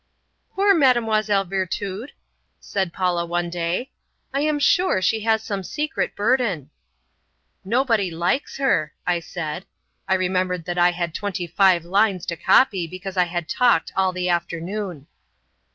"Poor Mademoiselle Virtud," said Paula one day, "I am sure she has some secret burden." "Nobody likes her," I said. (I remembered that I had twenty five lines to copy because I had talked all the afternoon.)